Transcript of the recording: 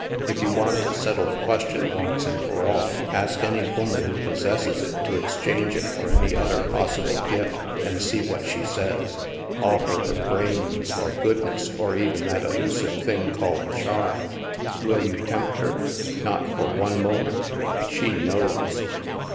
If you want to settle the question once and for all, ask any woman who possesses it to ex change it for any other possible gift and see what she says. Offer her brains, or goodness, or even that elusive thing called charm. Will you tempt her? Not for one moment. She knows.